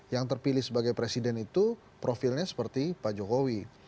yang terpilih sebagai presiden itu profilnya seperti pak jokowi